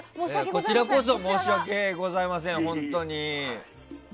こちらこそ申し訳ございません、本当に。